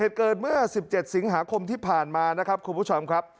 เหตุเกิดเมื่อ๑๗สิงหาคมที่ผ่านมานะครับคุณผู้ชมครับ